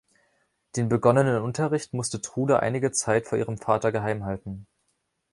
Den begonnenen Unterricht musste Trude einige Zeit vor ihrem Vater geheim halten.